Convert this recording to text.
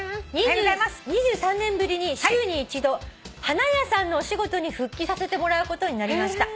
「２３年ぶりに週に一度花屋さんのお仕事に復帰させてもらうことになりました」